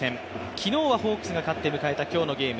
昨日はホークスが勝って迎えた今日のゲーム。